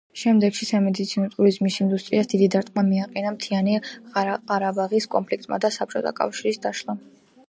შემდეგში სამედიცინო ტურიზმის ინდუსტრიას დიდი დარტყმა მიაყენა მთიანი ყარაბაღის კონფლიქტმა და საბჭოთა კავშირის დაშლამ.